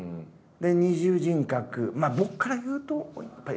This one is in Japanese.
二重人格僕から言うとやっぱり。